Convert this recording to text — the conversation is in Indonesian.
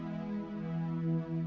aku sudah berjalan